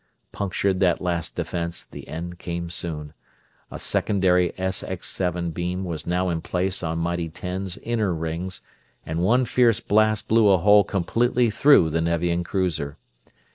Punctured that last defense, the end came soon. A secondary SX7 beam was now in place on mighty Ten's inner rings, and one fierce blast blew a hole completely through the Nevian cruiser.